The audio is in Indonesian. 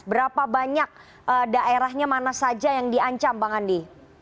berapa banyak daerahnya mana saja yang diancam bang andi